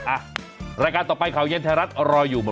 อ่ะรายการต่อไปข่าวเย็นไทยรัฐรออยู่หมด